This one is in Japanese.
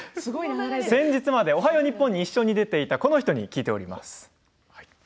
先日まで「おはよう日本」に一緒に出ていたこの人に聞いています。